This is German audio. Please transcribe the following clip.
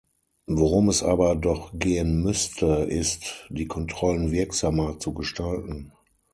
Worum es aber doch gehen müsste, ist, die Kontrollen wirksamer zu gestalten.